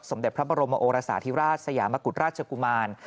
สมเด็จพระรมโรมอโรสาธิราชสยามกุฤตรราชกุมาร